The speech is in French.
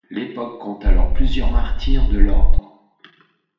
L'époque compte alors plusieurs martyrs de l'ordre.